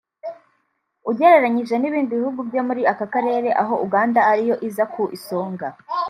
ugereranyije n’ibindi bihugu byo muri aka karere aho Uganda ariyo iza ku isonga